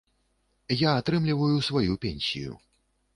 Я атрымліваю сваю пенсію.